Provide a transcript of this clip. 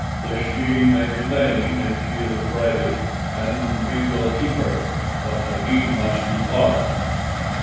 The she may remain if she is afraid, and we will keep her; but the he must depart."